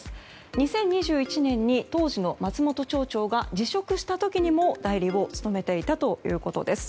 ２０２１年に当時の松本町長が辞職した時にも代理を務めていたということです。